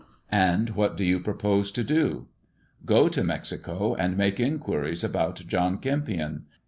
" And what do you propose to do 1 " "Go out to Mexico and make inquiries about John Kempion.